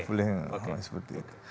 boleh ngomong seperti itu